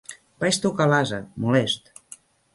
Vaig tocar l'ase, molest.